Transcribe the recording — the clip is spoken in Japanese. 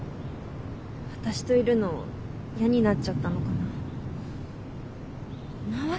私といるの嫌になっちゃったのかな。